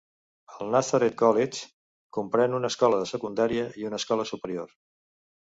El Nazareth College comprèn una escola de secundària i una escola superior.